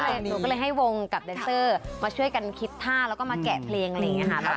หนูก็เลยให้วงกับแดนเซอร์มาช่วยกันคิดท่าแล้วก็มาแกะเพลงอะไรอย่างนี้ค่ะ